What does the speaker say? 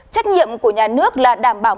trách nhiệm của nhà nước là đảm bảo